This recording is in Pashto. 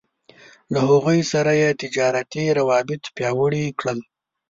له هغوی سره يې تجارتي روابط پياوړي کړل.